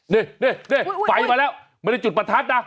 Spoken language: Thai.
นี่ไฟมาแล้วไม่ได้จุดประทัดนะ